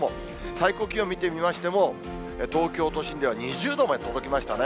最高気温見てみましても、東京都心では２０度まで届きましたね。